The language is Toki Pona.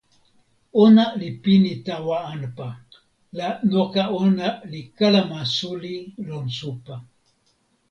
ona li pini tawa anpa, la noka ona li kalama suli lon supa.